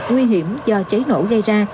nguy hiểm do cháy nổ gây ra